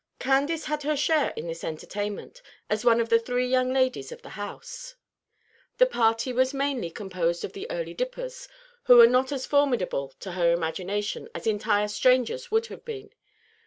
Candace had her share in this entertainment, as one of the three young ladies of the house. The party was mainly composed of the "Early Dippers," who were not as formidable to her imagination as entire strangers would have been.